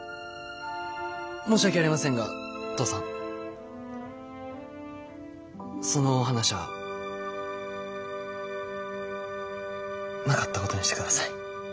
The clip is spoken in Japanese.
申し訳ありませんが父さんそのお話はなかったことにしてください。